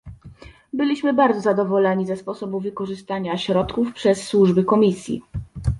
Byliśmy bardzo zadowoleni ze sposobu wykorzystania środków przez służby Komisji